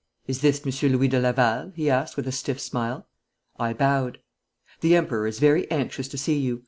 'Is this Monsieur Louis de Laval?' he asked, with a stiff smile. I bowed. 'The Emperor is very anxious to see you.